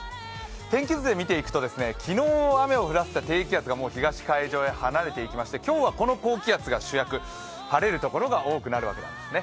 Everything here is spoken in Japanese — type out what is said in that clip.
天気図で見ていくと、昨日雨を降らせた低気圧がもう東海上へ離れていきまして、今日はこの高気圧が主役、晴れるところが多くなるわけなんですね。